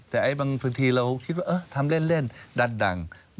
แต่บางทีเราคิดว่าทำเล่นดันดัง